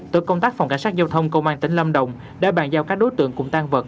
tổ công tác phòng cảnh sát giao thông công an tỉnh lâm đồng đã bàn giao các đối tượng cùng tan vật